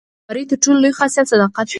د رهبرۍ تر ټولو لوی خاصیت صداقت دی.